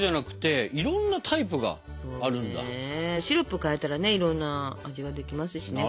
シロップ変えたらねいろんな味ができますしね。